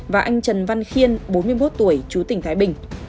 và anh trần văn khiên bốn mươi một tuổi chú tỉnh thái bình